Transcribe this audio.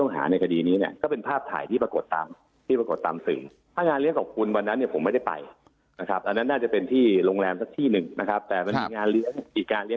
หลังที่เขาถูกจับเนี่ยผมไม่เคยไปเจอเขาอีกเลย